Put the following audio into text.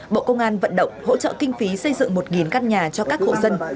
bộ công an vận động hỗ trợ kinh phí xây dựng một căn nhà cho các hộ dân